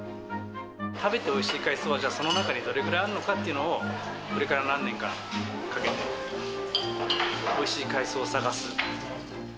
食べておいしい海藻は、じゃあその中でどれぐらいあるのかというのを、これから何年かかけて、おいしい海藻を探す。